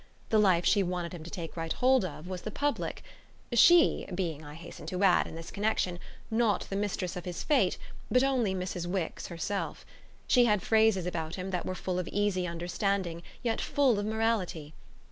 The life she wanted him to take right hold of was the public: "she" being, I hasten to add, in this connexion, not the mistress of his fate, but only Mrs. Wix herself. She had phrases about him that were full of easy understanding, yet full of morality.